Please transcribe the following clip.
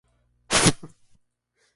Eulogio responde con una bofetada.